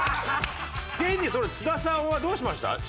現にそれ津田さんはどうしました？